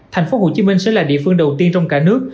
thành phố hồ chí minh sẽ là địa phương đầu tiên trong cả nước